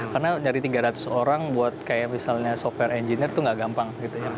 karena nyari tiga ratus orang buat kayak misalnya software engineer itu nggak gampang